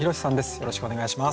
よろしくお願いします。